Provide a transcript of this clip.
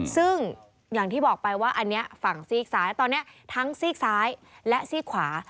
ซึ่งอย่างที่บอกไปว่าอันนี้ฝั่งซีกซ้ายตอนนี้ทั้งซีกซ้ายและซีกขวา